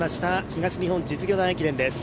東日本実業団駅伝です。